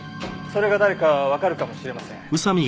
それが誰かわかるかもしれません。